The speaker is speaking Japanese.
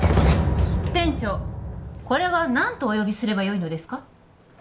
店長これは何とお読みすればよいのですか？